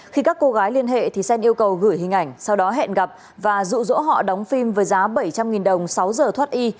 khi các cô gái liên hệ thì sen yêu cầu gửi hình ảnh sau đó hẹn gặp và rụ rỗ họ đóng phim với giá bảy trăm linh đồng sáu giờ thoát y